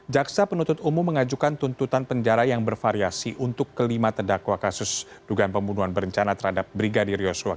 jaksa penuntut umum mengajukan tuntutan penjara yang bervariasi untuk kelima terdakwa kasus dugaan pembunuhan berencana terhadap brigadir yosua